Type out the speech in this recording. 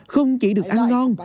không chỉ được ăn ngon